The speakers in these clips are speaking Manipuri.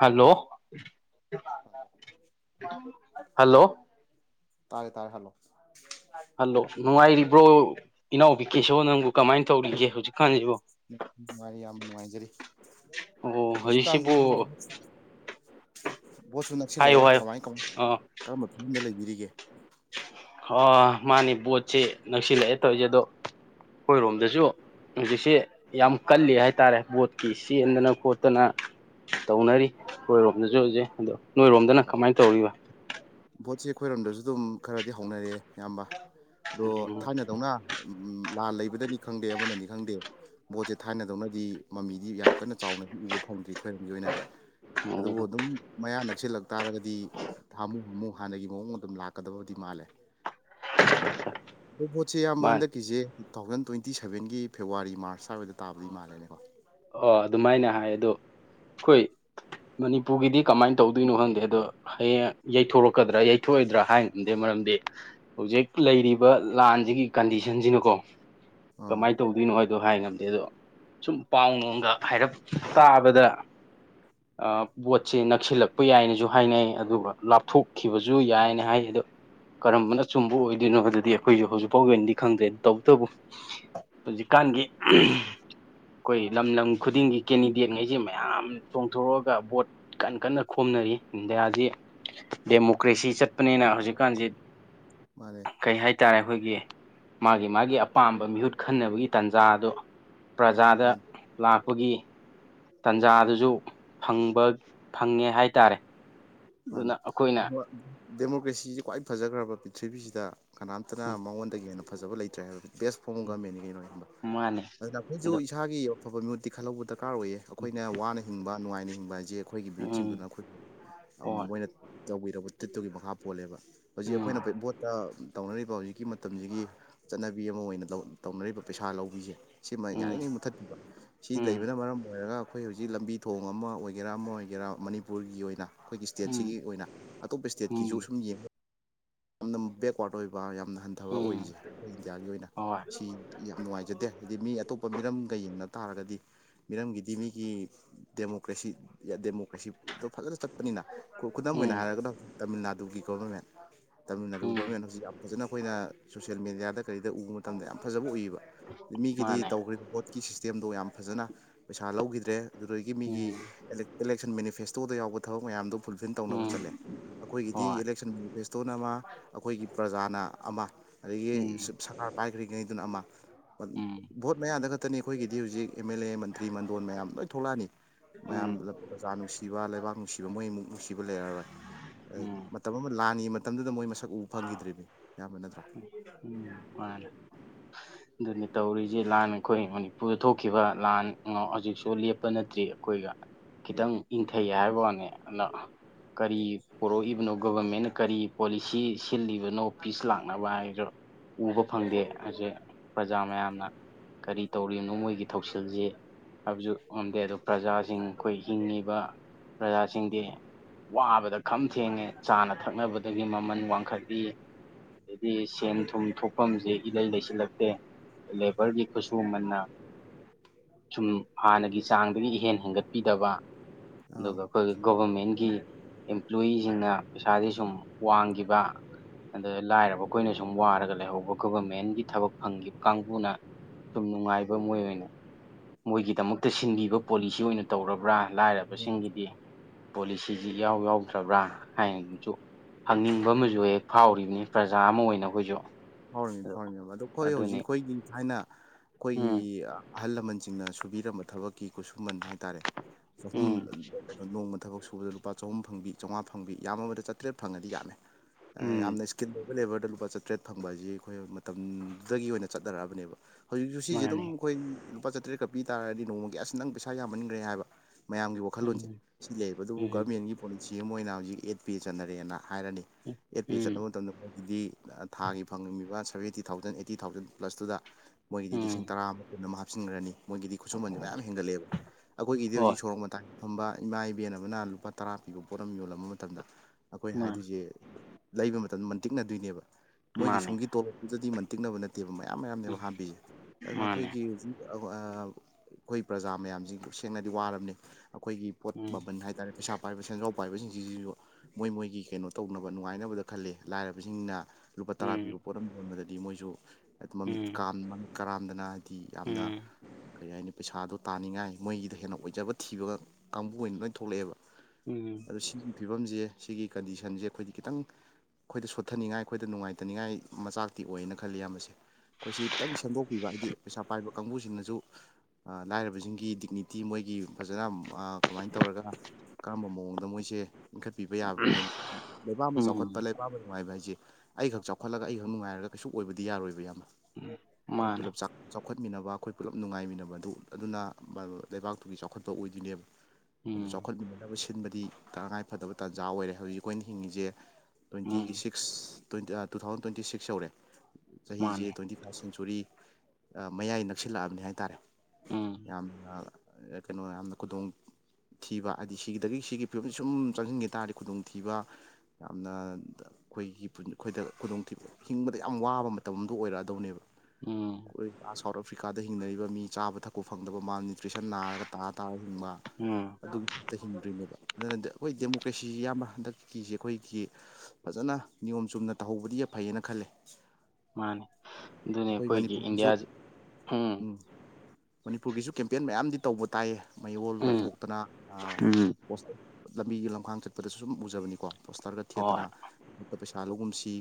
ꯍꯜꯂꯣ ꯍꯜꯂꯣ ꯍꯜꯂꯣ ꯇꯥꯔꯦ ꯇꯥꯔꯦ ꯍꯜꯂꯣ꯫ ꯍꯜꯂꯣ ꯅꯨꯡꯉꯥꯏꯔꯤꯕ꯭ꯔꯣ ꯏꯅꯥꯎꯕꯤꯀꯦꯁꯣ ꯅꯪꯕꯨ ꯀꯃꯥꯏꯅ ꯇꯧꯔꯤꯒꯦ ꯍꯧꯖꯤꯛꯀꯥꯟꯁꯤꯕꯣ ꯅꯨꯡꯉꯥꯏꯔꯤ ꯌꯥꯝ ꯅꯨꯡꯉꯥꯏꯖꯔꯤ ꯑꯣ ꯍꯧꯖꯤꯛꯀꯥꯟꯁꯤ__ ꯍꯧꯖꯤꯛꯁꯤꯕꯨ ꯕꯣꯠꯁꯨ ꯍꯥꯏꯌꯨ ꯅꯛꯁꯤꯜꯂꯛꯑꯦ ꯍꯥꯏꯌꯨ ꯀꯃꯥꯏ ꯀꯃꯥꯏ ꯑꯥ ꯀꯔꯝꯕ ꯐꯤꯕꯝꯗ ꯂꯩꯕꯤꯔꯤꯒꯦ꯫ ꯑꯥ ꯃꯥꯒꯤ ꯚꯣꯠꯁꯦ ꯅꯛꯁꯤꯜꯂꯛꯑꯦ ꯇꯧꯔꯤꯁꯦ ꯑꯗꯣ ꯑꯩꯈꯣꯏꯔꯣꯝꯗꯁꯨ__ ꯍꯧꯖꯤꯛꯁꯦ ꯌꯥꯝ ꯀꯜꯂꯤ ꯍꯥꯏꯇꯥꯔꯦ ꯚꯣꯠꯀꯤ ꯆꯦꯟꯗꯅ ꯈꯣꯠꯇꯅ ꯇꯧꯅꯔꯤ ꯅꯣꯏꯔꯣꯝꯗꯁꯨ ꯍꯧꯖꯤꯛ ꯑꯗꯣ ꯅꯣꯏꯔꯣꯝꯗꯅ ꯀꯃꯥꯏꯅ ꯇꯧꯔꯤꯕ꯫ ꯚꯣꯠꯁꯦ ꯑꯩꯈꯣꯏꯔꯣꯝꯗꯁꯨ ꯑꯗꯨꯝ ꯈꯔꯗꯤ ꯍꯧꯅꯔꯦ ꯑꯌꯥꯝꯕ ꯑꯗꯣ ꯊꯥꯏꯅꯗꯧꯅ__ ꯎꯝ ꯎꯝ ꯂꯥꯟ ꯂꯩꯕꯗꯅꯤ ꯈꯪꯗꯦ ꯑꯃꯅꯅꯤ ꯈꯪꯗꯦ ꯕꯣꯠꯁꯦ ꯊꯥꯏꯅꯗꯧꯅꯗꯤ ꯃꯃꯤꯗꯤ ꯌꯥꯝ ꯀꯟꯅ ꯆꯥꯎꯅꯗꯤ ꯎꯕ ꯐꯪꯗ꯭ꯔꯤ꯫ ꯈꯣꯏꯔꯝꯒꯤ ꯑꯣꯏꯅꯗꯤ ꯑꯗꯨꯕꯨ ꯑꯣ ꯑꯗꯨꯝ ꯃꯌꯥ ꯅꯛꯁꯤꯜꯂꯛ ꯇꯥꯔꯒꯗꯤ ꯍꯥꯃꯨ ꯍꯥꯃꯨ ꯍꯥꯟꯅꯒꯤ ꯃꯑꯣꯡ ꯑꯗꯨꯝ ꯂꯥꯛꯀꯗꯕꯗꯤ ꯃꯥꯜꯂꯦ ꯑꯗꯣ ꯚꯣꯠꯁꯦ ꯏꯌꯥꯝꯕ ꯃꯥꯅꯤ ꯍꯟꯗꯛꯀꯤꯁꯦ ꯇꯨ ꯊꯥꯎꯖꯟ ꯇ꯭ꯋꯦꯟꯇꯤ ꯁꯦꯕꯦꯟꯒꯤ ꯐꯦꯕ꯭ꯋꯥꯔꯤ ꯃꯥꯔꯁ ꯁ꯭ꯋꯥꯏꯗ ꯇꯥꯗꯨꯕ ꯃꯥꯜꯂꯦꯅꯦꯀꯣ ꯑꯣ ꯑꯗꯨꯃꯥꯏꯅ ꯍꯥꯏ ꯑꯗꯣ ꯑꯩꯈꯣꯏ ꯃꯅꯤꯄꯨꯔꯒꯤꯗꯤ ꯀꯃꯥꯏꯅ ꯇꯧꯗꯣꯏꯅꯣ ꯈꯪꯗꯦ ꯑꯗꯣ ꯍꯌꯦꯡ ꯌꯩꯊꯣꯔꯛꯀꯗ꯭ꯔꯥ ꯌꯩꯊꯣꯛꯑꯣꯏꯗ꯭ꯔꯥ ꯍꯥꯏ ꯉꯝꯗꯦ ꯃꯔꯝꯗꯤ__ ꯍꯧꯖꯤꯛ ꯂꯩꯔꯤꯕ ꯂꯥꯟꯁꯤꯒꯤ ꯀꯟꯗꯤꯁꯟꯁꯤꯅꯀꯣ ꯑꯥ ꯀꯃꯥꯏ ꯇꯧꯗꯣꯏꯅꯣ ꯍꯥꯏꯗꯣ ꯍꯥꯏ ꯉꯝꯗꯦ ꯑꯗꯣ ꯁꯨꯝ ꯄꯥꯎ ꯅꯨꯡꯒ ꯍꯥꯏꯔꯞ ꯇꯥꯕꯗ ꯚꯣꯠꯁꯦ ꯅꯛꯁꯤꯜꯂꯛꯄ ꯌꯥꯏꯅꯁꯨ ꯍꯥꯏꯅꯩ ꯑꯗꯨꯒ ꯂꯥꯞꯊꯣꯛꯈꯤꯕꯁꯨ ꯌꯥꯏꯅ ꯍꯥꯏꯁꯤꯗ ꯀꯔꯝꯕꯅ ꯑꯆꯨꯝꯕ ꯑꯣꯏꯗꯣꯏꯅꯣ ꯑꯗꯨꯗꯤ ꯑꯩꯈꯣꯏꯁꯨ ꯍꯧꯖꯤꯛ ꯐꯥꯎꯒꯤ ꯑꯣꯏꯅꯗꯤ ꯈꯪꯗ꯭ꯔꯦ ꯇꯧꯕꯇꯕꯨ __ ꯍꯧꯖꯤꯛꯀꯥꯟꯒꯤ ꯑꯩꯈꯣꯏ ꯂꯝ ꯂꯝ ꯈꯨꯗꯤꯡꯒꯤ ꯀꯦꯟꯗꯤꯗꯦꯠ ꯉꯩꯁꯤ ꯃꯌꯥꯝ ꯆꯣꯡꯊꯣꯛꯑꯒ ꯚꯣꯠ ꯀꯟꯅ ꯀꯟꯅ ꯈꯣꯝꯅꯔꯤ ꯏꯟꯗꯤꯌꯥꯁꯤ ꯗꯦꯃꯣꯀ꯭ꯔꯦꯁꯤ ꯆꯠꯄꯥꯅꯤꯅ ꯍꯧꯖꯤꯛꯀꯥꯟꯁꯦ ꯃꯥꯅꯦ ꯀꯩ ꯍꯥꯏꯇꯥꯔꯦ ꯑꯩꯈꯣꯏꯒꯤ ꯃꯥꯒꯤ ꯃꯥꯒꯤ ꯑꯄꯥꯝꯕ ꯃꯤꯍꯨꯠ ꯈꯟꯅꯕꯒꯤ ꯇꯥꯟꯖꯥꯗꯣ ꯃꯥꯅꯦ ꯄ꯭ꯔꯖꯥꯗ ꯂꯥꯛꯄꯒꯤ ꯇꯥꯟꯖꯥꯗꯨꯁꯨ ꯐꯪꯕ ꯐꯪꯉꯦ ꯍꯥꯏꯇꯥꯔꯦ ꯑꯗꯨꯅ ꯑꯩꯈꯣꯏꯅ ꯗꯦꯃꯣꯀ꯭ꯔꯦꯁꯤꯁꯤ ꯈ꯭ꯋꯥꯏ ꯐꯖꯈ꯭ꯔꯕ ꯄ꯭ꯔꯤꯊꯤꯕꯤꯁꯤꯗ ꯎꯝ ꯀꯅꯥꯝꯇꯅ ꯃꯉꯣꯟꯗꯒꯤ ꯍꯦꯟꯅ ꯐꯖꯕ ꯂꯩꯇ꯭ꯔꯦ ꯍꯥꯏꯕꯅꯤ ꯕꯦꯁ ꯐꯣꯝ ꯑꯣꯐ ꯒꯔꯃꯦꯟꯅꯤ ꯀꯩꯅꯣꯅꯦ ꯏꯌꯥꯝꯕ ꯃꯥꯅꯦ ꯑꯗꯣ ꯉꯝꯃꯤꯉꯩꯁꯨ ꯏꯁꯥꯒꯤ ꯑꯐꯕ ꯃꯤꯍꯨꯠꯇꯤ ꯈꯜꯍꯧꯕ ꯗꯔꯀꯥꯔ ꯑꯣꯏꯌꯦ ꯑꯩꯈꯣꯏꯅ ꯋꯥꯅ ꯍꯤꯡꯕ ꯅꯨꯡꯉꯥꯏꯅ ꯍꯤꯡꯕ ꯍꯥꯏꯁꯦ ꯑꯩꯈꯣꯏꯒꯤ ꯃꯤꯍꯨꯠꯁꯤꯡꯗꯨꯅ ꯎꯝ ꯑꯩꯈꯣꯏ ꯍꯣꯏ ꯃꯣꯏꯅ ꯇꯧꯕꯤꯔꯕ ꯇ꯭ꯔꯤꯠꯇꯨꯒꯤ ꯃꯈꯥ ꯄꯣꯜꯂꯦꯕ ꯍꯧꯖꯤꯛ ꯎꯝ ꯑꯩꯈꯣꯏꯅ ꯕꯣꯠꯇ ꯇꯧꯅꯔꯤꯕ ꯍꯧꯖꯤꯛꯀꯤ ꯃꯇꯝꯁꯤꯒꯤ ꯆꯠꯅꯕꯤ ꯑꯃ ꯑꯣꯏꯅ ꯇꯧꯅꯔꯤꯕ ꯄꯩꯁꯥ ꯂꯧꯕꯤꯁꯦ ꯁꯤꯃ ꯎꯝ ꯌꯥꯔꯤꯉꯩ ꯃꯨꯊꯠꯄꯤꯈꯤꯕ ꯁꯤ ꯎꯝ ꯂꯩꯕꯅ ꯃꯔꯝ ꯑꯣꯏꯔꯒ ꯑꯩꯈꯣꯏ ꯍꯧꯖꯤꯛ ꯂꯝꯕꯤ ꯊꯣꯡ ꯑꯃ ꯑꯣꯏꯒꯦꯔꯥ ꯑꯃ ꯑꯣꯏꯒꯦꯔꯥ ꯃꯅꯤꯄꯨꯔꯒꯤ ꯑꯣꯏꯅ ꯑꯩꯈꯣꯏꯒꯤ ꯁ꯭ꯇꯦꯠꯁꯤꯒꯤ ꯎꯝ ꯑꯣꯏꯅ ꯁ꯭ꯇꯦꯠꯀꯤꯁꯨ ꯎꯝ ꯁꯨꯝꯌꯦꯡ ꯌꯥꯝꯅ ꯕꯦꯛꯋꯥꯔꯗ ꯑꯣꯏꯕ ꯌꯥꯝꯅ ꯍꯟꯊꯕ ꯎꯝ ꯑꯣꯏꯔꯤꯁꯦ ꯑꯩꯈ ꯏꯟꯗꯤꯌꯥꯒꯤ ꯑꯣꯏꯅ ꯍꯣꯏ ꯁꯤ ꯌꯥꯝ ꯅꯨꯡꯉꯥꯏꯖꯗꯦ ꯍꯥꯏꯗꯤ ꯃꯤ ꯑꯇꯣꯞꯄ ꯃꯤꯔꯝꯒ ꯌꯦꯟꯅ ꯇꯥꯔꯒꯗꯤ ꯃꯤꯔꯝꯒꯤꯗꯤ ꯃꯤꯒꯤ ꯗꯦꯃꯣꯀ꯭ꯔꯦꯁꯤ ꯗꯦꯃꯣꯀ꯭ꯔꯦꯁꯤ ꯐꯖꯅ ꯆꯠꯄꯅꯤꯅ ꯈꯨꯗꯝ ꯑꯣꯏꯅ ꯎꯝ ꯍꯥꯏꯔꯒꯅ ꯇꯥꯃꯤꯜ ꯅꯥꯗꯨꯒꯤ ꯒꯣꯕꯔꯃꯦꯟ ꯇꯥꯃꯤꯜ ꯅꯥꯗꯨ ꯎꯝ ꯒꯣꯔꯃꯦꯟ ꯍꯧꯖꯤꯛ ꯌꯥꯝ ꯐꯖꯅ ꯑꯩꯈꯣꯏꯅ ꯁꯣꯁꯦꯜ ꯃꯦꯗꯤꯌꯥꯗ ꯀꯔꯤꯗ ꯎꯕ ꯃꯇꯝꯗ ꯌꯥꯝ ꯐꯖꯕ ꯎꯏꯕ ꯃꯤꯒꯤꯗꯤ ꯃꯥꯅꯦ ꯇꯧꯈ꯭ꯔꯤꯕ ꯕꯣꯠꯀꯤ ꯁꯤꯁ ꯁꯤꯁꯇꯦꯝꯗꯣ ꯌꯥꯝ ꯐꯥꯖꯅ ꯄꯩꯁꯥ ꯂꯧꯈꯤꯗ꯭ꯔꯦ ꯑꯗꯨꯗꯒꯤ ꯃꯤꯒꯤ ꯎꯝ ꯑꯦꯛꯖꯦ ꯏꯂꯦꯛꯁꯟ ꯃꯦꯅꯤꯐꯦꯁꯇꯣꯗ ꯌꯥꯎꯕ ꯊꯕꯛ ꯃꯌꯥꯝꯗꯣ ꯐꯨꯜꯐꯤꯟ ꯇꯧꯅꯕ ꯆꯠꯂꯦ ꯎꯝ ꯑꯩꯈꯣꯏꯒꯤꯗꯤ ꯍꯣꯏ ꯏꯂꯦꯛꯁꯟ ꯃꯦꯅꯤꯐꯦꯁꯇꯣ ꯇꯣꯅ ꯑꯃ ꯑꯩꯈꯣꯏꯒꯤ ꯄ꯭ꯔꯖꯥꯅ ꯑꯃ ꯑꯗꯒꯤ ꯎꯝ ꯁꯔꯀꯥꯔ ꯄꯥꯏꯈ꯭ꯔꯤꯉꯩꯗꯨꯅ ꯑꯃ ꯎꯝ ꯚꯣꯠ ꯃꯌꯥꯗ ꯈꯛꯇꯅꯤ ꯑꯩꯈꯣꯏꯒꯤꯗꯤ ꯍꯧꯖꯤꯛ ꯑꯦꯝ ꯑꯦꯜ ꯑꯦ ꯃꯟꯇ꯭ꯔꯤ ꯃꯟꯗꯣꯜ ꯃꯌꯥꯝ ꯂꯣꯏ ꯊꯣꯛꯂꯛꯑꯅꯤ ꯃꯌꯥꯝ ꯎꯝ ꯄ꯭ꯔꯖꯥ ꯅꯨꯡꯁꯤꯕ ꯂꯩꯕꯥꯛ ꯅꯨꯡꯁꯤꯕ ꯃꯣꯏꯃꯨꯛ ꯅꯨꯡꯁꯤꯕ ꯂꯩꯔꯔꯣꯏ ꯎꯝ ꯎꯝ ꯃꯥꯇꯝ ꯑꯃ ꯂꯥꯟꯒꯤ ꯃꯇꯝꯗꯨꯗ ꯃꯣꯏ ꯃꯁꯛ ꯎꯕ ꯐꯪꯈꯤꯗ꯭ꯔꯤꯕꯅꯤ ꯏꯌꯥꯝꯕ ꯅꯠꯇ꯭ꯔꯥ ꯎꯝ ꯃꯅꯦ ꯑꯗꯨꯅꯤ ꯇꯧꯔꯤꯁꯦ ꯂꯥꯟꯅ ꯑꯩꯈꯣꯏ ꯃꯅꯤꯄꯨꯔꯗ ꯊꯣꯛꯈꯤꯕ ꯂꯥꯟ ꯍꯧꯖꯤꯛꯁꯨ ꯂꯦꯞꯄ ꯅꯠꯇ꯭ꯔꯤ ꯑꯩꯈꯣꯏꯒ ꯈꯤꯇꯪ ꯏꯪꯊꯩꯌꯦ ꯍꯥꯏꯕ ꯋꯥꯅꯤ ꯑꯗꯨ ꯀꯔꯤ ꯄꯨꯔꯛꯏꯕꯅꯣ ꯒꯕꯔꯃꯦꯟꯅ ꯀꯔꯤ ꯄꯣꯂꯤꯁꯤ ꯁꯤꯜꯂꯤꯕꯅꯣ ꯄꯤꯁ ꯂꯥꯛꯅꯕ ꯍꯥꯏꯁꯨ ꯎꯕ ꯐꯪꯗꯦ ꯍꯧꯖꯤꯛ ꯄ꯭ꯔꯖꯥ ꯃꯌꯥꯝꯅ ꯀꯔꯤ ꯇꯧꯔꯤꯅꯣ ꯃꯣꯏꯒꯤ ꯊꯧꯁꯤꯜꯁꯦ ꯍꯥꯏꯕꯁꯨ ꯉꯝꯗꯦ ꯑꯗꯨꯗ ꯄ꯭ꯔꯖꯥꯁꯤꯡ ꯑꯩꯈꯣꯏ ꯍꯤꯡꯉꯤꯕ ꯄ꯭ꯔꯖꯥꯁꯤꯡꯗꯤ ꯋꯥꯕꯗ ꯈꯝ ꯊꯦꯡꯉꯦ ꯆꯥꯅ ꯊꯛꯅꯕꯗꯒꯤ ꯃꯃꯜ ꯋꯥꯡꯈꯠꯂꯤ ꯑꯗꯩꯗꯤ ꯁꯦꯟ ꯊꯨꯝ ꯊꯣꯛꯐꯝꯁꯦ ꯏꯂꯩ ꯂꯩꯁꯤꯜꯂꯛꯇꯦ ꯂꯦꯕꯔꯒꯤ ꯈꯨꯠꯁꯨꯃꯟꯅ ꯁꯨꯝ ꯍꯥꯟꯅꯒꯤ ꯆꯥꯡꯗꯒꯤ ꯏꯍꯦꯟ ꯍꯦꯟꯒꯠꯄꯤꯗꯕ ꯑꯥ ꯑꯗꯨꯒ ꯑꯩꯈꯣꯏꯒꯤ ꯒꯣꯕꯔꯃꯦꯟꯒꯤ ꯑꯦꯝꯄ꯭ꯂꯣꯌꯤꯁꯤꯡꯅ ꯄꯩꯁꯥꯗꯤ ꯁꯨꯝ ꯋꯥꯡꯈꯤꯕ ꯑꯗ ꯂꯥꯏꯔꯕ ꯑꯩꯈꯣꯏꯅ ꯁꯨꯝ ꯋꯥꯔꯒ ꯂꯩꯍꯧꯕ ꯒꯕꯔꯃꯦꯟꯒꯤ ꯊꯕꯛ ꯐꯪꯈꯤꯕ ꯀꯥꯡꯕꯨꯅ ꯁꯨꯝ ꯅꯨꯡꯉꯥꯏꯕ ꯃꯣꯏ ꯑꯣꯏꯅ ꯃꯣꯏꯒꯤꯗꯃꯛꯇ ꯁꯤꯟꯕꯤꯕ ꯄꯣꯂꯤꯁꯤ ꯑꯣꯏꯅ ꯇꯧꯔꯕ꯭ꯔꯥ ꯂꯥꯏꯔꯕꯁꯤꯡꯒꯤꯗꯤ ꯄꯣꯂꯤꯁꯤꯁꯤ ꯏꯌꯥꯎ ꯌꯥꯎꯗ꯭ꯔꯕ꯭ꯔꯥ ꯍꯥꯏꯅꯁꯨ ꯍꯪꯅꯤꯡꯕ ꯑꯃꯁꯨ ꯍꯦ ꯐꯥꯎꯔꯤꯕꯅꯤ ꯄ꯭ꯔꯖꯥ ꯑꯃ ꯑꯣꯏꯅ ꯑꯩꯈꯣꯏꯁꯨ ꯐꯥꯎꯔꯝꯃꯤ ꯑꯗꯣ ꯐꯥꯎꯔꯝꯃꯤ ꯑꯗꯣ ꯑꯩꯈꯣꯏ ꯑꯗꯨꯅꯤ ꯍꯧꯖꯤꯛ ꯑꯩꯈꯣꯏꯒꯤ ꯊꯥꯏꯅ ꯑꯩꯈꯣꯏꯒꯤ ꯎꯝ ꯑꯍꯜ ꯂꯃꯟꯁꯤꯡꯅ ꯁꯨꯕꯤꯔꯝꯕ ꯊꯕꯛꯀꯤ ꯈꯨꯠꯁꯨꯃꯟ ꯍꯥꯏꯇꯥꯔꯦ ꯆꯍꯨꯝ ꯎꯝ ꯅꯣꯡꯃ ꯊꯕꯛ ꯁꯨꯕꯥꯗ ꯂꯨꯄꯥ ꯆꯥꯍꯨꯝ ꯐꯪꯕꯤ ꯆꯝꯉꯥ ꯐꯪꯕꯤ ꯌꯥꯝꯃꯕꯗ ꯆꯥꯇ꯭ꯔꯦꯠ ꯐꯪꯉꯗꯤ ꯌꯥꯝꯃꯦ ꯎꯝ ꯌꯥꯝꯅ ꯏꯁꯀꯤꯟ ꯑꯣꯏꯕ ꯂꯦꯕꯔꯗ ꯂꯨꯄꯥ ꯆꯥꯇ꯭ꯔꯦꯠ ꯊꯝ ꯕ ꯍꯥꯏꯁꯤ ꯑꯩꯈꯣꯏ ꯃꯇꯝꯗꯨꯗꯒꯤ ꯑꯣꯏꯅ ꯆꯠꯅꯔꯛꯑꯕꯅꯦꯕ ꯍꯧꯖꯤꯛꯁꯨ ꯁꯤꯁꯦ ꯑꯗꯨꯝ ꯃꯥꯅꯦ ꯑꯩꯈꯣꯏ ꯂꯨꯄꯥ ꯆ ꯇ꯭ꯔꯦꯠꯀꯥꯛ ꯄꯤ ꯇꯔꯗꯤ ꯅꯣꯡꯃ ꯒꯌ꯭ꯥꯁ ꯑꯁ ꯅꯪ ꯄꯩꯁꯥ ꯌꯥꯝꯃꯟꯈ꯭ꯔꯦ ꯍꯥꯏꯕ__ ꯃꯌꯥꯝꯒꯤ ꯋꯥꯈꯜꯂꯣꯟꯁꯦ ꯎꯝ ꯁꯤ ꯂꯩꯌꯦꯕ ꯑꯗꯨꯕꯨ ꯎꯝ ꯒꯃꯦꯟꯒꯤ ꯄꯣꯂꯤꯁꯤ ꯑꯃ ꯑꯣꯏꯅ ꯍꯧꯖꯤꯛ ꯑꯦꯠ ꯄꯤ ꯆꯟꯅꯔꯦꯅ ꯍꯥꯏꯔꯅꯤ꯫ ꯎꯝ ꯑꯦꯠ ꯄꯦ ꯎꯝ ꯆꯠꯅꯕ ꯃꯇꯝꯗ ꯃꯣꯏꯒꯤꯗꯤ ꯊꯥꯒꯤ ꯐꯪꯉꯃꯤꯕ ꯁꯕꯦꯟꯇꯤ ꯊꯥꯎꯖꯟ ꯑꯩꯠꯇꯤ ꯊꯥꯎꯖꯟ ꯄ꯭ꯂꯁꯇꯨꯗ__ ꯃꯣꯏꯒꯤꯗꯤ ꯎꯝ ꯂꯤꯁꯤꯡ ꯇꯔꯥ ꯑꯃ ꯀꯨꯟ ꯑꯃ ꯍꯥꯞꯆꯤꯟꯈ꯭ꯔꯅꯤ ꯃꯣꯏꯒꯤꯗꯤ ꯈꯨꯠꯁꯨꯃꯟꯁꯦ ꯃꯌꯥꯝ ꯍꯦꯟꯒꯠꯂꯦꯕ ꯑꯩꯈꯣꯏꯒꯤꯗꯤ ꯍꯣꯏ ꯍꯧꯖꯤꯛ ꯁꯣꯔꯛ ꯃꯇꯝ ꯗꯨꯀꯥꯥꯟ ꯐꯝꯕ ꯏꯃꯥ ꯏꯕꯦꯟ ꯑꯃꯅ ꯂꯨꯄꯥ ꯇꯔꯥ ꯄꯤꯕ ꯄꯣꯠ ꯑꯃ ꯌꯣꯜꯂꯝꯕ ꯃꯇꯝꯗ__ ꯑꯩꯈꯣꯏꯅ ꯃꯥꯅꯦ ꯍꯥꯏꯗꯣꯏꯁꯦ ꯂꯩꯕ ꯃꯇꯝꯗ ꯃꯟꯇꯤꯛꯅꯗꯣꯏꯅꯦꯕ꯫ ꯃꯣꯏꯒꯤ ꯃꯥꯅꯦ ꯁꯨꯝꯒꯤ ꯇꯣꯂꯣꯞꯇꯨꯗꯗꯤ ꯃꯟꯇꯤꯛꯅꯕ ꯅꯠꯇꯦꯕ ꯃꯌꯥꯝ ꯃꯌꯥꯝꯅꯦꯕ ꯎꯝ ꯍꯥꯝꯕꯤꯁꯦ ꯑꯗꯨꯅ ꯃꯥꯅꯦ ꯑꯩꯈꯣꯏꯒꯤ ꯍꯧꯖꯤꯛ ꯑꯩꯈꯣꯏ ꯄ꯭ꯔꯖꯥ ꯃꯌꯥꯝꯁꯤꯡ ꯁꯦꯡꯅꯗꯤ ꯋꯥꯔꯕꯅꯤ ꯑꯩꯈꯣꯏꯒꯤ ꯄꯣꯠ ꯎꯝ ꯕꯟ ꯍꯥꯏꯇꯥꯔꯦ ꯄꯩꯁꯥ ꯄꯩꯁꯥ ꯄꯥꯏꯕ ꯁꯦꯟꯖꯥꯎ ꯄꯥꯏꯕꯁꯤꯡꯁꯤꯁꯨ ꯃꯣꯏ ꯃꯣꯏꯒꯤ ꯀꯩꯅꯣ ꯇꯧꯅꯕ ꯅꯨꯡꯉꯥꯏꯅꯕꯗ ꯈꯜꯂꯦ ꯂꯥꯏꯔꯕꯁꯤꯡꯅ ꯂꯨꯄꯥ ꯇꯔꯥ ꯎꯝ ꯄꯤꯕ ꯄꯣꯠ ꯑꯃ ꯌꯕꯗꯗꯤ ꯃꯣꯏꯁꯨ ꯎꯝ ꯃꯃꯤꯠꯃꯤꯠ ꯀꯔꯥꯝꯗꯅ ꯗꯤ ꯌꯥꯝꯅ ꯎꯝ ꯀꯔꯤ ꯍꯥꯏꯅꯤ ꯄꯩꯁꯥꯗꯣ ꯇꯥꯅꯤꯡꯉꯥꯏ ꯃꯣꯏꯒꯤꯗ ꯍꯦꯟꯅ ꯑꯣꯏꯖꯕ ꯊꯤꯕꯒ__ ꯀꯥꯡꯕꯨ ꯑꯣꯏꯅ ꯂꯣꯏ ꯊꯣꯛꯂꯛꯑꯦꯕ꯫ ꯎꯝ꯫ ꯑꯗꯣ ꯁꯤꯒꯤ ꯐꯤꯕꯝꯁꯦ ꯁꯤꯒꯤ ꯀꯟꯗꯤꯁꯟꯁꯦ ꯑꯩꯈꯣꯏꯗꯤ ꯈꯤꯇꯪ ꯑꯩꯈꯣꯏꯗ ꯁꯣꯠꯊꯅꯤꯡꯉꯥꯏ ꯑꯩꯈꯣꯏꯗ ꯅꯨꯡꯉꯥꯏꯇꯅꯤꯉꯥꯏ ꯃꯆꯥꯛꯇꯤ ꯑꯣꯏꯌꯦꯅ ꯈꯜꯂꯤ ꯏꯌꯝꯕꯁꯦ꯫ ꯑꯩꯈꯣꯏꯁꯤ ꯇꯪ ꯁꯦꯝꯗꯣꯛꯄꯤꯕ ꯍꯥꯏꯗꯤ ꯄꯩꯁꯥ ꯄꯥꯏꯕ ꯀꯥꯡꯕꯨꯁꯤꯡꯅꯁꯨ ꯂꯥꯏꯔꯕꯁꯤꯡꯒꯤ ꯗꯤꯛꯅꯤꯇꯤ ꯃꯣꯏꯒꯤ ꯐꯖꯅ ꯀꯃꯥꯏꯅ ꯇꯧꯔꯒ__ ꯀꯔꯝꯕ ꯃꯑꯣꯡꯗ ꯃꯣꯏꯁꯦ ꯏꯟꯈꯠꯄꯤꯕ ꯌꯥꯕꯒꯦ ꯂꯩꯕꯥꯛ ꯑꯃ ꯆꯥꯎꯈꯠꯄ ꯎꯝ ꯂꯩꯕꯥꯛ ꯑꯃ ꯅꯨꯡꯉꯥꯏꯕ ꯍꯥꯏꯁꯦ ꯑꯩꯈꯛ ꯆꯥꯎꯈꯠꯂꯒ ꯑꯩꯈꯛ ꯅꯨꯡꯉꯥꯏꯔꯒ ꯀꯩꯁꯨ ꯑꯣꯏꯕꯗꯤ ꯌꯥꯔꯣꯏꯕ ꯏꯌꯥꯝꯕ ꯎꯝ ꯑꯩꯈꯣꯏ ꯃꯥꯅꯦ ꯄꯨꯜꯂꯞ ꯆꯥꯛ ꯆꯥꯎꯈꯠꯃꯤꯟꯅꯕ ꯑꯩꯈꯣꯏ ꯄꯨꯜꯂꯞ ꯅꯨꯡꯉꯥꯏꯃꯤꯟꯅꯕ ꯑꯗꯨ ꯑꯗꯨꯅ ꯂꯩꯕꯥꯛꯇꯨꯒꯤ ꯆꯥꯎꯈꯠꯄ ꯑꯣꯏꯗꯣꯏꯅꯦꯕ ꯑꯗꯨ ꯎꯝ ꯆꯥꯎꯈꯠꯃꯤꯟꯅꯅꯕ ꯁꯤꯟꯕꯗꯤ ꯇꯉꯥꯏꯐꯗꯕ ꯇꯥꯟꯖꯥ ꯑꯣꯏꯔꯦ ꯍꯧꯖꯤꯛ ꯑꯩꯈꯣꯏꯅ ꯍꯤꯡꯉꯤꯁꯦ ꯇ꯭ꯋꯦꯟꯇꯤꯒꯤ um six twenty two thousand twenty six ꯌꯧꯔꯦ ꯆꯍꯤꯁꯦ ꯃꯥꯅꯦ ꯇ꯭ꯋꯦꯟꯇꯤ ꯂꯥꯏꯐ ꯁꯦꯟꯆꯨꯔꯤ ꯃꯌꯥꯏ ꯅꯛꯁꯤꯜꯂꯛꯑꯕꯅꯤ ꯍꯥꯏꯇꯥꯔꯦ ꯎꯝ ꯌꯥꯝꯅ__ ꯀꯩꯅꯣ ꯌꯥꯝꯅ ꯈꯨꯗꯣꯡ ꯊꯤꯕ ꯍꯥꯏꯗꯤ ꯁꯤꯒꯤꯗꯒꯤ ꯁꯤꯒꯤ ꯐꯤꯕꯝꯁꯤ ꯁꯨꯝ ꯆꯪꯁꯤꯟꯈꯤ ꯇꯥꯔꯗꯤ ꯈꯨꯗꯣꯡꯊꯤꯕ꯫ ꯌꯥꯝꯅ ꯑꯩꯈꯣꯏꯒꯤ꯫ ꯑꯩꯈꯣꯏꯗ ꯈꯨꯗꯣꯡꯊꯤꯕ ꯍꯤꯡꯕꯗ ꯌꯥꯝ ꯋꯥꯕ ꯃꯇꯝꯗꯨ ꯑꯣꯏꯔꯛꯑꯗꯧꯅꯦꯕ꯫ ꯎꯝ ꯁꯥꯎꯠ ꯑꯐ꯭ꯔꯤꯀꯥꯗ ꯍꯤꯡꯅꯔꯤꯕ ꯃꯤ ꯆꯥꯕ ꯊꯛꯄ ꯐꯪꯗꯕ ꯃꯥꯜꯅ꯭ꯌꯨꯇ꯭ꯔꯤꯁꯟ ꯅꯥꯔꯒ ꯇꯥꯔ ꯇꯥꯔ ꯍꯤꯡꯕ꯫ ꯎꯝ ꯑꯗꯨꯝ ꯆꯩꯁꯤꯟꯗ꯭ꯔꯤꯅꯦꯕ꯫ ꯑꯗꯨꯅ ꯑꯩꯈꯣꯏ ꯗꯦꯃꯣꯀ꯭ꯔꯦꯁꯤꯁꯤ ꯏꯌꯥꯝꯕ ꯍꯟꯗꯛꯀꯤꯁꯤ ꯑꯩꯈꯣꯏꯒꯤ ꯐꯖꯅ__ ꯅꯤꯌꯣꯝ ꯆꯨꯝꯅ ꯇꯥꯍꯧꯕꯗꯤ ꯐꯩꯌꯦꯅ ꯈꯜꯂꯦ꯫ ꯃꯥꯅꯦ ꯑꯗꯨꯅꯤ ꯑꯩꯈꯣꯏ ꯑꯩꯈꯣꯏꯒꯤ ꯃꯅꯤꯄꯨꯔꯒꯤꯁꯨ ꯏꯟꯗꯤꯌꯥꯁ ꯎꯝ ꯃꯅꯤꯄꯨꯔꯒꯤꯁꯨ ꯀꯦꯝꯄꯦꯟ ꯃꯌꯥꯝꯗꯤ ꯇꯧꯕ ꯇꯥꯏꯌꯦ ꯃꯌꯣꯜꯒ ꯎꯝ ꯊꯣꯛꯇꯅ __ ꯎꯝ ꯄꯣꯁꯇꯔ ꯂꯝꯕꯤꯒꯤ ꯂꯝꯈꯥꯡ ꯆꯠꯄꯗꯁꯨ ꯁꯨꯝ ꯎꯖꯕꯅꯤꯀꯣ ꯄꯣꯁꯇꯔꯒ ꯊꯦꯠꯇꯅ꯫ ꯍꯣꯏ ꯄꯩꯁꯥ ꯂꯧꯒꯨꯝ ꯁꯤ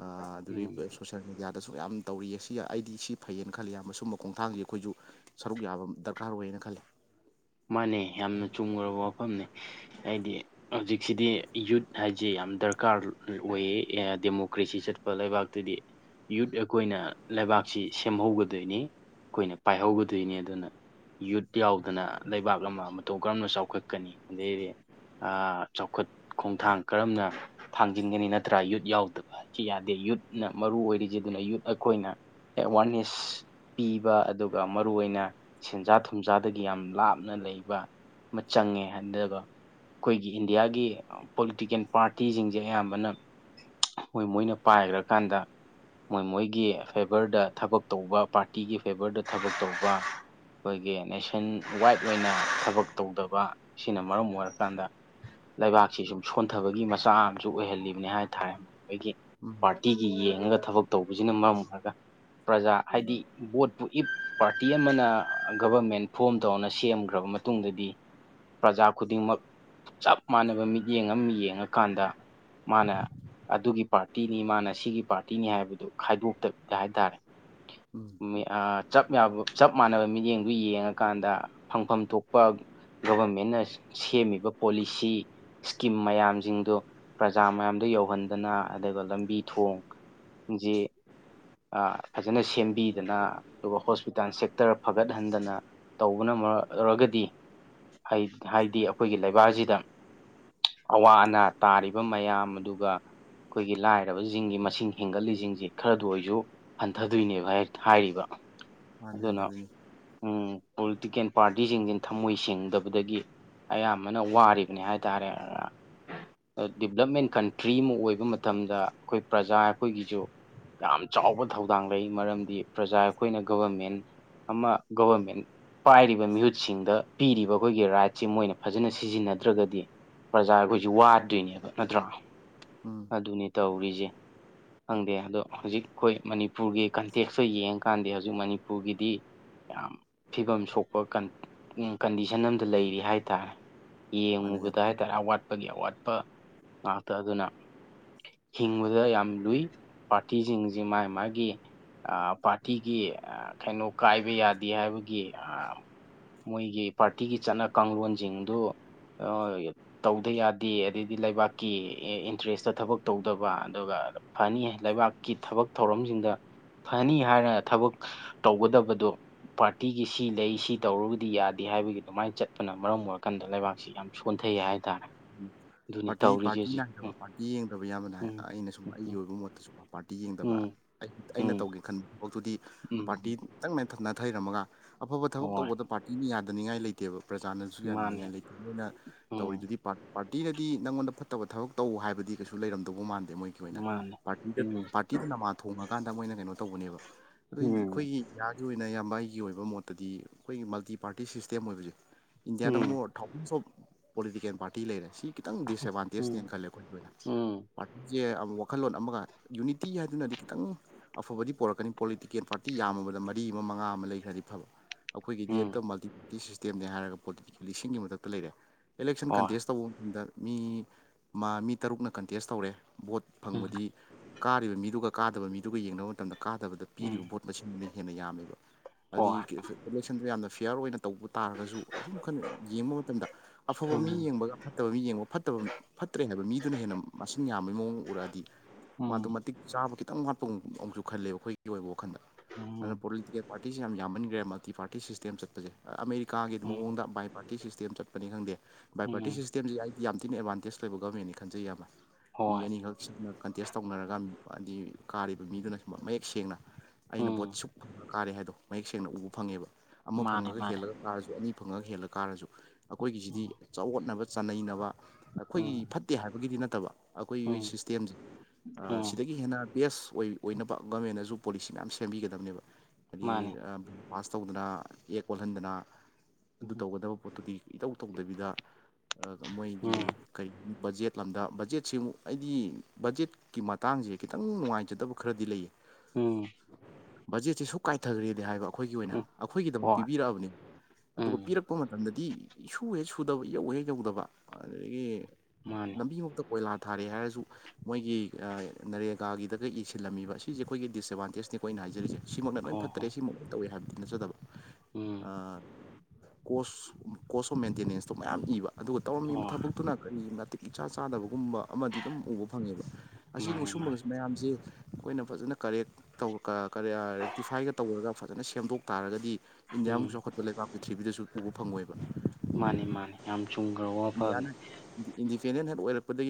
ꯑꯗꯨꯗꯒꯤ ꯄꯩ꯫ ꯎꯝ ꯁꯣꯁꯦꯜ ꯃꯦꯗꯤꯌꯥꯗꯁꯨ ꯌꯥꯝꯅ ꯇꯧꯔꯤꯌꯦ ꯁꯤ ꯑꯩꯗꯤ ꯁꯤ ꯐꯩꯌꯦꯅ ꯈꯜꯂꯤ ꯏꯌꯥꯝꯕ ꯁꯨꯝꯕ ꯈꯣꯡꯊꯥꯡꯁꯤ ꯑꯩꯈꯣꯏꯁꯨ꯫ ꯁꯔꯨꯛ ꯌꯥꯕ ꯗꯔꯀꯥꯔ ꯑꯣꯏꯌꯦꯅ ꯈꯜꯂꯦ ꯃꯥꯅꯦ ꯌꯥꯝꯅ ꯆꯨꯝꯈꯔꯕ ꯋꯥꯐꯝꯅꯦ ꯑꯩꯗꯤ꯫ ꯍꯧꯖꯤꯛꯁꯤꯗꯤ ꯌꯨꯠ ꯍꯥꯏꯁꯦ ꯌꯥꯝ ꯗꯔꯀꯥꯔ ꯑꯣꯏꯌꯦ ꯗꯦꯃꯣꯀ꯭ꯔꯦꯁꯤ ꯆꯠꯄ ꯂꯩꯕꯥꯛꯇꯗꯤ꯫ ꯌꯨꯠ ꯑꯩꯈꯣꯏꯅ ꯂꯩꯕꯥꯛꯁꯤ ꯁꯦꯝꯍꯧꯒꯗꯣꯏꯅꯤ꯫ ꯑꯩꯈꯣꯏꯅ ꯃꯥꯅꯤ ꯄꯥꯏꯍꯧꯒꯗꯣꯏꯅꯤ ꯑꯗꯨꯅ ꯌꯨꯠ ꯌꯥꯎꯗꯅ꯫ ꯂꯩꯕꯥꯛ ꯑꯃ ꯃꯇꯧ ꯀꯔꯝꯅ ꯆꯥꯎꯈꯠꯀꯅꯤ ꯑꯗꯩꯗꯤ꯫ ꯑ ꯆꯥꯎꯈꯠ ꯈꯣꯡꯊꯥꯡ ꯀꯔꯝꯅ꯫ ꯊꯥꯡꯖꯤꯟꯒꯅꯤ ꯅꯠꯇ꯭ꯔꯥ ꯌꯨꯠ ꯌꯥꯎꯗꯕ ꯍꯥꯏꯁꯤ ꯌꯥꯗꯦ ꯌꯨꯠꯅ ꯃꯔꯨ ꯑꯣꯏꯔꯤꯁꯤ ꯑꯗꯨꯅ ꯌꯨꯠ ꯑꯩꯈꯣꯏꯅ꯫ ꯑꯦꯋꯥꯔꯅꯦꯁ ꯄꯤꯕ ꯑꯗꯨꯒ ꯃꯔꯨꯑꯣꯏꯅ ꯁꯦꯟꯖꯥ ꯊꯨꯝꯖꯥꯗꯒꯤ ꯌꯥꯝ ꯂꯥꯞ꯫ ꯅ ꯂꯩꯕ ꯃ ꯆꯪꯉꯦ ꯑꯗꯨꯒ ꯈꯣꯏꯒꯤ ꯏꯟꯗꯤꯌꯥꯒꯤ ꯑ ꯄꯣꯂꯤꯇꯤꯀꯦꯜ ꯄꯥꯔꯇꯤꯁꯤꯡꯖꯦ ꯑꯌꯥꯝꯕꯅ [unintelligible] ꯃꯣꯏ ꯃꯣꯏꯅ ꯄꯥꯏꯒ꯭ꯔꯀꯥꯟꯗ ꯃꯣꯏ ꯃꯣꯏꯒꯤ ꯐꯦꯚꯔꯗ ꯊꯕꯛ ꯇꯧꯕ ꯄꯥꯔꯇꯤꯒꯤ ꯐꯦꯚꯔꯗ ꯊꯕꯛ ꯇꯧꯕ ꯑꯈꯣꯏꯒꯤ ꯅꯦꯁꯟ ꯋꯥꯏꯠ ꯑꯣꯏꯅ ꯊꯕꯛ ꯇꯧꯗꯕ ꯁꯤꯅ ꯃꯔꯝ ꯑꯣꯏꯔꯀꯥꯟꯗ ꯂꯩꯕꯥꯛꯁꯤ ꯁꯨꯝ ꯁꯣꯟꯊꯕꯒꯤ ꯃꯆꯛ ꯑꯝꯁꯨ ꯑꯣꯏꯍꯜꯂꯤꯕꯅꯤ ꯍꯥꯏ ꯇꯥꯔꯦ ꯈꯣꯏꯒꯤ ꯎꯝ ꯄꯥꯔꯇꯤꯒꯤ ꯌꯦꯡꯉꯒ ꯊꯕꯛ ꯇꯧꯕꯁꯤꯅ ꯃꯔꯝ ꯑꯣꯏꯔꯒ ꯄ꯭ꯔꯖꯥ ꯍꯥꯏꯗꯤ ꯕꯣꯠꯄꯨ ꯏꯐ ꯄꯥꯔꯇꯤ ꯑꯃꯅ ꯒꯕꯔꯃꯦꯟ ꯐꯣꯝ ꯇꯧꯅ ꯁꯦꯝꯈ꯭ꯔꯕ ꯃꯇꯨꯡꯗꯗꯤ ꯄ꯭ꯔꯖꯥ ꯈꯨꯗꯤꯡꯃꯛ ꯆꯞ ꯃꯥꯟꯅꯕ ꯃꯤꯠꯌꯦꯡ ꯑꯃ ꯌꯦꯡꯉꯀꯥꯟꯗ ꯃꯥꯅ ꯑꯗꯨꯒꯤ ꯄꯥꯔꯇꯤꯅꯤ ꯃꯥꯅ ꯁꯤꯒꯤ ꯄꯥꯔꯇꯤꯅꯤ ꯍꯥꯏꯕꯗꯨ ꯈꯥꯏꯗꯣꯛꯇꯕꯤꯗ ꯍꯥꯏꯇꯥꯔꯦ ꯎꯝ ꯃꯤ ꯑꯥ ꯆꯞ ꯌꯥꯝꯕ ꯆꯞ ꯃꯥꯟꯅꯕ ꯃꯤꯠꯌꯦꯡꯗꯨ ꯌꯦꯡꯉꯀꯥꯟꯗ ꯐꯪꯐꯝ ꯊꯣꯛꯄ ꯒꯣꯕꯔꯃꯦꯟꯅ ꯁꯤ -ꯁꯦꯝꯃꯤꯕ ꯄꯣꯂꯤꯁꯤ ꯁ꯭ꯀꯤꯝ ꯃꯌꯥꯝꯖꯤꯡꯗꯨ ꯄ꯭ꯔꯖꯥ ꯃꯌꯥꯝꯗ ꯌꯧꯍꯟꯗꯅ ꯑꯗꯨꯒ ꯂꯝꯕꯤ ꯊꯣꯡ ꯖꯤ ꯑ ꯐꯖꯟꯅ ꯁꯦꯝꯕꯤꯗꯅ ꯑꯗꯨꯒ ꯍꯣꯁꯄꯤꯇꯥꯜ ꯁꯦꯛꯇꯔ ꯐꯒꯠꯍꯟꯗꯅ ꯇꯧꯕꯅ ꯃꯔ ꯑꯣꯏꯔꯒꯗꯤ ꯍꯥꯏ ꯍꯥꯏꯗꯤ ꯑꯩꯈꯣꯏꯒꯤ ꯂꯩꯕꯥꯛꯖꯤꯗ ꯑꯋꯥ -ꯑꯅꯥ ꯇꯥꯔꯤꯕ ꯃꯌꯥꯝ ꯑꯗꯨꯒ ꯑꯈꯣꯏꯒꯤ ꯂꯥꯏꯔꯕꯖꯤꯡꯒꯤ ꯃꯁꯤꯡ ꯍꯦꯟꯒꯠꯂꯤꯖꯤꯡꯖꯤ ꯈꯔꯗ ꯑꯣꯏꯖꯨ ꯍꯟꯊꯗꯣꯏꯅꯦꯕ ꯍꯦꯠ ꯍꯥꯏꯔꯤꯕ ꯃꯥꯅꯤ ꯑꯗꯨꯅ ꯍꯟꯊꯗꯣꯏꯅꯤ ꯎꯝ ꯄꯣꯂꯤꯇꯤꯀꯦꯜ ꯄꯥꯔꯇꯤꯁꯤꯡꯖꯤꯅ ꯊꯃꯣꯏ ꯁꯦꯡꯗꯕꯗꯒꯤ ꯑꯌꯥꯝꯕꯅ ꯋꯥꯔꯤꯕꯅꯤ ꯍꯥꯏꯇꯥꯔꯦ ꯑꯥ ꯑ ꯗꯤꯕ꯭ꯂꯞꯃꯦꯟ ꯀꯟꯇ꯭ꯔꯤ ꯏꯃ ꯑꯣꯏꯕ ꯃꯇꯝꯗ ꯑꯈꯣꯏ ꯄ꯭ꯔꯖꯥ ꯑꯩꯈꯣꯏꯒꯤꯖꯨ ꯌꯥꯝ ꯆꯥꯎꯕ ꯊꯧꯗꯥꯡ ꯂꯩ ꯃꯔꯝꯗꯤ ꯄ꯭ꯔꯖꯥ ꯑꯩꯈꯣꯏꯅ ꯒꯕꯔꯃꯦꯟ ꯑꯃ ꯒꯣꯕꯔꯃꯦꯟ ꯄꯥꯏꯔꯤꯕ ꯗ ꯃꯤꯍꯨꯠꯁꯤꯡꯗ ꯄꯤꯔꯤꯕ ꯑꯈꯣꯏꯒꯤ ꯔꯥꯏꯠꯁꯤ ꯃꯣꯏꯅ ꯐꯖꯟꯅ ꯁꯤꯖꯤꯟꯅꯗ꯭ꯔꯒꯗꯤ ꯄ꯭ꯔꯖꯥ ꯑꯈꯣꯏꯁꯦ ꯋꯥꯗꯣꯏꯅꯦꯕ ꯅꯠꯇ꯭ꯔꯣ ꯎꯝ ꯑꯗꯨꯅꯤ ꯇꯧꯔꯤꯖꯦ ꯈꯪꯗꯦ ꯑꯗꯣ ꯍꯧꯖꯤꯛ ꯑꯩꯈꯣꯏ ꯃꯅꯤꯄꯨꯔꯒꯤ ꯀꯟꯇꯦꯛꯁꯇ ꯌꯦꯡꯉꯀꯥꯟꯗꯤ ꯍꯧꯖꯤꯛ ꯃꯅꯤꯄꯨꯔꯒꯤꯗꯤ꯫ ꯌꯥꯝ ꯐꯤꯕꯝ ꯁꯣꯛꯄ ꯀꯟ - ꯀꯟꯗꯤꯁꯟ ꯑꯝꯗ ꯂꯩꯔꯤ ꯍꯥꯏꯇꯥꯔꯦ ꯃꯥꯅꯤ ꯌꯥꯝ ꯌꯦꯡꯉꯨꯕꯗ ꯍꯥꯏ ꯍꯦꯔ ꯑꯋꯥꯠꯄꯒꯤ ꯑꯋꯥꯠꯄ ꯉꯥꯛꯇ ꯑꯗꯨꯅ ꯍꯤꯡꯕꯗ ꯌꯥꯝ ꯂꯨꯏ ꯄꯥꯔꯇꯤꯁꯤꯡꯖꯤ ꯃꯥꯏ ꯃꯥꯒꯤ ꯑꯥ ꯄꯥꯔꯇꯤꯒꯤ ꯑ ꯀꯩꯅꯣ ꯀꯥꯏꯕ ꯌꯥꯗꯦ ꯍꯥꯏꯕꯒꯤ ꯑꯥ ꯃꯣꯏꯒꯤ ꯄꯥꯔꯇꯤꯒꯤ ꯆꯠꯅ ꯀꯥꯡꯂꯣꯟꯁꯤꯡꯗꯨ ꯑꯣꯏ ꯇꯧꯗ ꯌꯥꯗꯦ ꯑꯗꯩꯗꯤ ꯂꯩꯕꯥꯛꯀꯤ ꯏ -ꯏꯟꯇ꯭ꯔꯦꯁꯇ ꯊꯕꯛ ꯇꯧꯗꯕ ꯑꯗꯨꯒ ꯐꯅꯤ ꯍꯦ ꯂꯩꯕꯥꯛ ꯀꯤ ꯊꯕꯛ ꯊꯧꯔꯝꯁꯤꯡꯗ ꯐꯅꯤ ꯍꯥꯏꯔꯒ ꯊꯕꯛ ꯇꯧꯒꯗꯕꯗꯣ ꯄꯥꯔꯇꯤꯒꯤ ꯁꯤ ꯂꯩ ꯁꯤ ꯇꯧꯔꯨꯕꯗꯤ ꯌꯥꯗꯦ ꯍꯥꯏꯕꯒꯤ ꯑꯗꯨꯃꯥꯏꯅ ꯆꯠꯄꯅ ꯃꯔꯝ ꯑꯣꯏꯔꯀꯥꯟꯗ ꯂꯩꯕꯥꯛꯁꯤ ꯌꯥꯝ ꯁꯣꯟꯊꯩꯌꯦ ꯍꯥꯏꯇꯥꯔꯦ ꯑꯗꯨꯅꯤ ꯄꯥꯔꯇꯤ ꯇꯧꯔꯤꯁꯦ ꯄꯥꯔꯇꯤ ꯍꯧꯖꯤꯛ ꯅꯥꯏꯗꯕ ꯄꯥꯔꯇꯤ ꯌꯦꯡꯗꯕ ꯏꯌꯥꯝꯕꯅ ꯍꯥꯏ - ꯎꯝ ꯑꯩꯅ ꯁꯨꯝ ꯑꯩꯒꯤ ꯎꯝ ꯑꯣꯏꯕ ꯃꯣꯠꯇꯁꯨ ꯀꯣ ꯄꯥꯔꯇꯤ ꯌꯦꯡꯗꯕ ꯎꯝ ꯑꯩ -ꯑꯩꯅ ꯎꯝ ꯇꯧꯒꯦ ꯈꯟ - ꯕꯛꯇꯨꯗꯤ ꯎꯝ ꯄꯥꯔꯇꯤ ꯎꯝ ꯇꯪ ꯃꯦꯟꯊꯠ - ꯅꯥꯊꯩꯔꯝꯃꯒ ꯑꯐꯕ ꯊꯕꯛ ꯍꯣꯏ ꯇꯧꯕꯗ ꯄꯥꯔꯇꯤ ꯃꯤ ꯌꯥꯗꯅꯤꯡꯉꯥꯏ ꯂꯩꯇꯦꯕ ꯄ꯭ꯔꯖꯥꯅ ꯁꯨ ꯃꯥꯅꯦ ꯌꯥꯗꯅꯤꯡꯉꯥꯏ ꯂꯩꯇꯦ ꯑꯗꯨꯅ ꯎꯝ ꯇꯧꯔꯤꯗꯨꯗꯤ ꯄꯥꯔ -ꯄꯥꯔꯇꯤꯅꯗꯤ ꯅꯪꯉꯣꯟꯗ ꯐꯠꯇꯕ ꯊꯕꯛ ꯇꯧ ꯍꯥꯏꯕꯗꯤ ꯀꯩꯁꯨ ꯂꯩꯔꯝꯗꯧꯕ ꯃꯥꯟꯗꯦ ꯃꯣꯏꯅ ꯊꯣꯏꯅ ꯃꯥꯅꯦ ꯄꯥꯔꯇꯤꯗ ꯎꯝ ꯄꯥꯔꯇꯤꯗ ꯅꯃꯥ ꯊꯣꯡꯉꯀꯥꯟꯗ ꯃꯣꯏꯅ ꯀꯩꯅꯣ ꯇꯧꯕꯅꯦꯕ ꯑꯗꯨ ꯎꯝ ꯑꯩꯈꯣꯏꯒꯤ ꯗ꯭ꯌꯥꯒꯤ ꯑꯣꯏꯅ ꯏꯌꯥꯝꯕ ꯑꯩꯒꯤ ꯑꯣꯏꯕ ꯃꯣꯠꯇꯗꯤ ꯑꯈꯣꯏꯒꯤ ꯃꯜꯇꯤ ꯄꯥꯔꯇꯤ ꯁꯤꯁꯇꯦꯝ ꯑꯣꯏꯕꯖꯦ ꯏꯟꯗꯤꯌꯥꯗ ꯎꯝ ꯃꯣꯠ ꯊꯥꯎꯖꯟꯁ ꯑꯣꯐ ꯄꯣꯂꯤꯇꯤꯀꯦꯜ ꯄꯥꯔꯇꯤ ꯂꯩꯔꯦ ꯁꯤ ꯈꯤꯇꯪ ꯎꯝ ꯗꯤꯁꯑꯦꯗꯕꯥꯥꯟꯇꯦꯖꯅꯦꯅ ꯈꯜꯂꯦ ꯑꯩꯈꯣꯏ ꯎꯝ ꯑꯩꯈꯣꯏꯅ ꯄꯥꯔꯠ ꯌꯦ ꯑꯝ ꯋꯥꯈꯜꯂꯣꯟ ꯑꯃꯒ ꯌꯨꯅꯤꯇꯤ ꯍꯥꯏꯗꯨꯅꯗꯤ ꯈꯤꯇꯪ ꯑꯐꯕꯗꯤ ꯄꯣꯔꯛꯀꯅꯤ ꯄꯣꯂꯤꯇꯤꯀꯦꯜ ꯄꯥꯔꯇꯤ ꯌꯥꯝꯃꯕꯗ ꯃꯔꯤ ꯑꯃ ꯃꯉꯥ ꯑꯃ ꯂꯩꯈ꯭ꯔꯗꯤ ꯐꯕ ꯑꯈꯣꯏꯒꯤꯗꯤ ꯎꯝ ꯑꯝꯇ ꯃꯜꯇꯤꯞ -ꯇꯤ ꯁꯤꯁꯇꯦꯝꯅꯦ ꯍꯥꯏꯔꯒ ꯄꯣꯂꯤꯇꯤꯀꯦꯜ ꯂꯤꯁꯤꯡꯒꯤ ꯃꯊꯛꯇ ꯂꯩꯔꯦ ꯏꯂꯦꯛꯁꯟ ꯍꯣꯏ ꯀꯟꯇꯦꯁ ꯇꯧꯕ ꯃꯇꯝꯗ ꯃꯤ ꯃꯥ ꯃꯤ ꯇꯔꯨꯛꯅ ꯀꯟꯇꯦꯁ ꯇꯧꯔꯦ ꯕꯣꯠ ꯎꯝ ꯐꯪꯕꯗꯤ ꯀꯥꯔꯤꯕ ꯃꯤꯗꯨꯒ ꯀꯥꯗꯕ ꯃꯤꯗꯨꯒ ꯌꯦꯡꯅꯕ ꯃꯇꯝꯗ ꯀꯥꯗꯕꯗ ꯄꯤꯔꯤꯕ ꯎꯝ ꯚꯣꯠ ꯃꯁꯤꯡꯗꯨꯅ ꯍꯦꯟꯅ ꯌꯥꯝꯃꯦꯕ ꯍꯥꯏꯗꯤ ꯍꯣꯏ ꯏꯂꯦꯛꯁꯟꯗ ꯌꯥꯝꯅ ꯐꯤꯌꯥꯔ ꯑꯣꯏꯅ ꯇꯧꯕ ꯇꯥꯔꯒꯁꯨ ꯑꯁꯨꯝ ꯈꯔ ꯌꯦꯡꯕ ꯃꯇꯝꯗ ꯑꯐꯕ ꯃꯤ ꯎꯝ ꯌꯦꯡꯕꯒ ꯐꯠꯇꯕ ꯃꯤ ꯌꯦꯡꯕ ꯐꯠꯇꯕ ꯐꯠꯇ꯭ꯔꯦ ꯍꯥꯏꯕ ꯃꯤꯗꯨꯅ ꯍꯦꯟꯅ ꯃꯁꯤꯡ ꯌꯥꯝꯕꯒꯤ ꯃꯑꯣꯡ ꯎꯔꯛꯑꯗꯤ ꯃꯥꯗꯣ ꯎꯝ ꯃꯇꯤꯛ ꯆꯥꯕ ꯈꯤꯇꯪ ꯋꯥꯠꯄ ꯑꯨꯛꯁꯨ ꯈꯜꯂꯦꯕ ꯑꯩꯈꯣꯏꯒꯤ ꯑꯣꯏꯕ ꯋꯥꯈꯜꯗ ꯑꯗꯨꯅ ꯎꯝ ꯄꯣꯤꯦꯜ ꯄꯥꯔꯇꯤꯁꯦ ꯌꯥꯝ ꯌꯥꯝꯃꯟꯈ꯭ꯔꯦ ꯃꯜꯇꯤ ꯄꯥꯔꯇꯤ ꯁꯤꯁꯇꯦꯝ ꯆꯠꯄꯁꯦ ꯑꯃꯦꯔꯤꯀꯥꯒꯤ ꯎꯝ ꯃꯑꯣꯡꯗ ꯕꯥꯏ ꯄꯥꯔꯇꯤ ꯁꯤꯁꯇꯦꯝ ꯆꯠꯄ ꯅꯤ ꯈꯪꯗꯦ ꯕꯥꯏ ꯄꯔꯇꯤ ꯎꯝ ꯁꯤꯁꯇꯦꯝꯁꯤ ꯑꯩꯗꯤ ꯌꯥꯝ ꯊꯤꯅ ꯑꯦꯗꯚꯥꯟꯇꯦꯖ ꯂꯩꯕ ꯒꯣꯔꯃꯦꯟꯅꯤ ꯈꯟꯖꯩ ꯏꯌꯥꯝꯕ ꯃꯤ ꯍꯣꯏ ꯑꯅꯤꯈꯛ ꯁꯤꯅ ꯀꯟꯇꯦꯁ ꯇꯧꯅꯔꯒ ꯍꯥꯏꯗꯤ ꯀꯥꯔꯤꯕ ꯃꯤꯗꯨꯅ ꯁꯨꯝ ꯃꯌꯦꯛ ꯁꯦꯡꯅ ꯑꯩꯅ ꯕꯣꯠ ꯎꯝ ꯁꯨꯛ ꯀꯥꯔꯦ ꯍꯥꯏꯗꯣ ꯃꯌꯦꯛ ꯁꯦꯡꯅ ꯎꯕ ꯐꯪꯉꯦꯕ ꯑꯃ ꯃꯥꯅꯦ ꯐꯪꯉꯒ ꯃꯥꯅꯦ ꯍꯦꯜꯂꯒ ꯀꯥꯔꯁꯨ ꯑꯅꯤ ꯐꯪꯉꯒ ꯍꯦꯜꯂꯀꯥꯔꯁꯨ ꯑꯩꯈꯣꯏꯒꯤꯁꯤꯗꯤ ꯎꯝ ꯆꯥꯎꯈꯠꯅꯕ ꯆꯥꯅꯕ ꯑꯩꯈꯣꯏꯒꯤ ꯎꯝ ꯐꯠꯇꯦ ꯍꯥꯏꯕꯒꯤꯗꯤ ꯅꯠꯇꯕ ꯑꯩꯈꯣꯏꯒꯤ ꯎꯝ ꯁꯤꯁꯇꯦꯝꯁꯦ ꯎꯝ ꯁꯤꯗꯒꯤ ꯍꯦꯟꯅ ꯕꯦꯁ ꯑꯣꯏ ꯑꯣꯏꯅꯕ ꯒꯃꯦꯟꯅꯁꯨ ꯄꯣꯂꯤꯁꯤ ꯃꯌꯥꯝ ꯁꯦꯝꯕꯤꯒꯗꯕꯅꯦꯕ ꯍꯥꯏꯗꯤ ꯃꯥꯅꯦ ꯕꯤꯜ ꯄꯥꯁ ꯇꯧꯗꯨꯅ ꯑꯦꯛ ꯑꯣꯜꯍꯟꯗꯅ ꯑꯗꯨ ꯎꯝ ꯇꯧꯒꯗꯕ ꯄꯣꯠꯇꯨꯒꯤ ꯏꯇꯧ ꯇꯧꯗꯕꯤꯗ ꯃꯣꯏ ꯎꯝ ꯒꯤ ꯀꯩ ꯕꯖꯦꯠ ꯂꯝꯗ ꯕꯖꯦꯠꯁꯤꯃꯨꯛ ꯑꯩꯗꯤ ꯕꯖꯦꯠ ꯀꯤ ꯃꯇꯥꯡꯁꯦ ꯈꯤꯇꯪ ꯅꯨꯡꯉꯥꯏꯖꯗꯕ ꯈꯔꯗꯤ ꯂꯩꯌꯦ ꯎꯝ ꯕꯖꯦꯠꯁꯦ ꯁꯨ ꯀꯥꯏꯊꯈ꯭ꯔꯦꯗꯤ ꯍꯥꯏꯕ ꯑꯩꯈꯣꯏꯒꯤ ꯑꯣꯏꯅ ꯎꯝ ꯑꯩꯈꯣꯏꯒꯤꯗꯃꯛ ꯍꯣꯏ ꯄꯤꯕꯤꯔꯛꯑꯕꯅꯦꯕ ꯑꯗꯨꯒ ꯎꯝ ꯄꯤꯔꯛ ꯀꯛꯄ ꯃꯇꯝꯗꯗꯤ ꯁꯁꯨ ꯍꯦꯛ ꯁꯨꯗꯕ ꯌꯧ ꯍꯦꯛ ꯌꯧꯗꯕ ꯑꯗꯨꯗꯒꯤ ꯃꯥꯅꯦ ꯂꯝꯕꯤꯃꯛꯇ ꯀꯣꯏꯂꯥ ꯊꯥꯔꯦ ꯍꯥꯏꯔꯁꯨ ꯃꯣꯏꯒꯤ ꯅꯔꯦꯒꯥꯒꯤꯗꯒ ꯏꯁꯤꯜꯂꯝꯃꯤꯕ ꯁꯤꯁꯦ ꯑꯩꯈꯣꯏꯒꯤ ꯗꯤꯁꯑꯦꯠꯕꯥꯟꯇꯦꯖꯅꯤꯀꯣ ꯑꯩꯅ ꯍꯥꯏꯖꯔꯤꯁꯦ ꯁꯤꯃꯛꯅ ꯂꯣꯏ ꯍꯣꯏ ꯐꯠꯇꯔꯦ ꯍꯣꯏ ꯁꯤꯃꯛ ꯂꯣꯏ ꯇꯧꯋꯦ ꯍꯥꯏꯕꯗꯤ ꯅꯠꯆꯗꯕ ꯑ ꯎꯝ ꯀꯣꯁ ꯀꯣꯁ ꯑꯣꯐ ꯃꯦꯟꯇꯦꯅꯦꯟꯁꯇꯣ ꯃꯌꯥꯝ ꯏꯕ ꯑꯗꯨꯒ ꯇꯧꯔꯝꯃꯤꯕ ꯍꯣꯏ ꯊꯕꯛ ꯑꯗꯨꯨꯅ ꯀꯔꯤ ꯃꯇꯤꯛ ꯏꯆꯥ ꯆꯥꯗꯕꯒꯨꯝꯕ ꯑꯃꯗꯤ ꯑꯗꯨꯝ ꯎꯕ ꯐꯪꯉꯦꯕ ꯃꯥꯅꯦ ꯑꯁꯤꯁꯨꯝꯕ ꯃꯥꯅꯦ ꯃꯌꯥꯝꯁꯦ ꯑꯩꯈꯣꯏꯅ ꯐꯖꯅ ꯀꯔꯦꯛ ꯇꯧ ꯔꯦꯛꯇꯤꯐꯥꯏꯒ ꯇꯧꯔꯒ ꯐꯖꯅ ꯁꯦꯝꯗꯣꯛ ꯇꯥꯔꯒꯗꯤ ꯎꯝ ꯏꯟꯗꯤꯌꯥꯃꯨꯛ ꯆꯥꯎꯈꯠꯄ ꯂꯩꯕꯥꯛ ꯄ꯭ꯔꯤꯊꯤꯕꯤꯗꯁꯨ ꯄꯨꯕ ꯐꯪꯉꯣꯏꯕ ꯃꯥꯅꯤ ꯃꯥꯅꯤ ꯌꯥꯝ ꯆꯨꯝꯈ꯭ꯔꯕ ꯋꯥꯐꯕꯅꯦ ꯏꯟꯗꯤꯌꯥꯅ ꯏꯟꯗꯤꯄꯦꯟꯗꯦꯟ ꯍ ꯑꯣꯏꯔꯛꯄꯗꯒꯤ